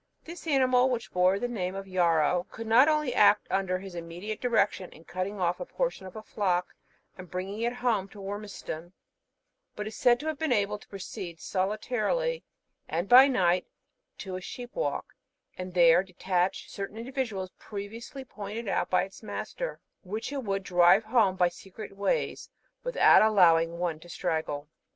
This animal, which bore the name of "Yarrow," would not only act under his immediate direction in cutting off a portion of a flock, and bringing it home to Wormiston, but is said to have been able to proceed solitarily, and by night, to a sheepwalk, and there detach certain individuals previously pointed out by its master, which it would drive home by secret ways, without allowing one to straggle.